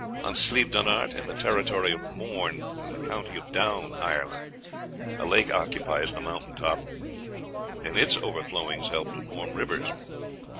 On Slieve donart, in the territory of Mourne, in the county of Down, Ireland, a lake occupies the mountain top, and its overflowings help to form rivers.